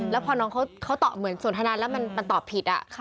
แล้วพอน้องเขาตอบเหมือนสนทนาแล้วมันตอบผิด